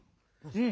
うん！